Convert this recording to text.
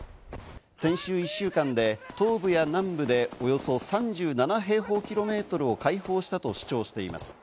先週１週間で東部や南部でおよそ３７平方キロメートルを解放したと主張しています。